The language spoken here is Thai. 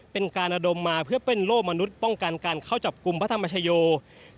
เป็นการระดมมาเพื่อเป็นโล่มนุษย์ป้องกันการเข้าจับกลุ่มพระธรรมชโย